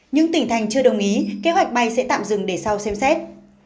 những tỉnh thành chưa đồng ý kế hoạch bay sẽ tạm dừng để sau xem xét